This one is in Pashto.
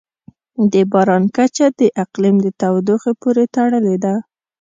د باران کچه د اقلیم د تودوخې پورې تړلې ده.